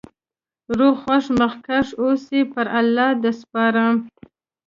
روغ خوښ مخکښ اوسی.پر الله د سپارم